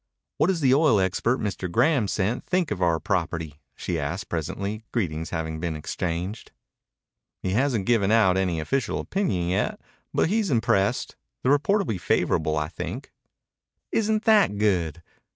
"What does the oil expert Mr. Graham sent think about our property?" she asked presently, greetings having been exchanged. "He hasn't given out any official opinion yet, but he's impressed. The report will be favorable, I think." "Isn't that good?"